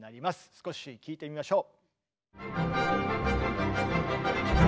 少し聴いてみましょう。